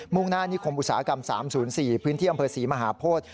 ่งหน้านิคมอุตสาหกรรม๓๐๔พื้นที่อำเภอศรีมหาโพธิ